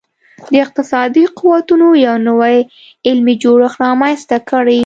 د اقتصادي قوتونو یو نوی علمي جوړښت رامنځته کړي